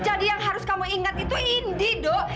jadi yang harus kamu ingat itu indi dok